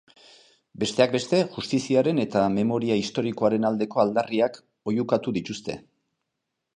Besteak beste, justiziaren eta memoria historikoaren aldeko aldarriak oihukatu dituzte.